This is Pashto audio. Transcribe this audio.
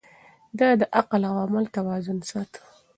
ده د عقل او عمل توازن ساته.